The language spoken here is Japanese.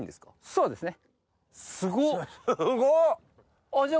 そうですね。